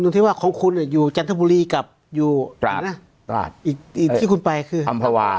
หนึ่งที่ว่าของคุณอยู่จันทบุรีกับอัมพาวาอีกที่คุณไปคืออัมพาวา